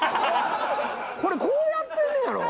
これこうやってんねやろ？